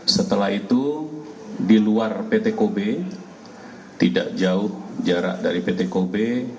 setelah itu di luar pt kobe tidak jauh jarak dari pt kobe